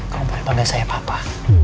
kamu boleh panggil saya papa